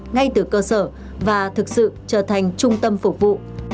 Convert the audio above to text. ngay từ cơ sở và thực sự trở thành trung tâm phục vụ